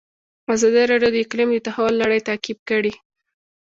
ازادي راډیو د اقلیم د تحول لړۍ تعقیب کړې.